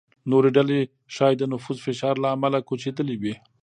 نورې ډلې ښايي د نفوس فشار له امله کوچېدلې وي.